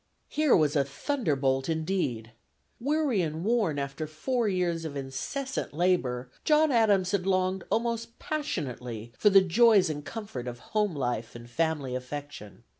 Here was a thunderbolt indeed! Weary and worn after four years of incessant labor, John Adams had longed almost passionately for the joys and comforts of home life and family affection.